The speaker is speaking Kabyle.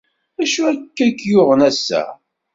Acu akka i ak-yuɣen ass-a?